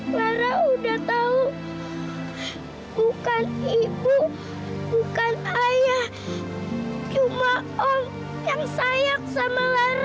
lara udah tahu bukan ibu bukan ayah cuma orang yang sayang sama lara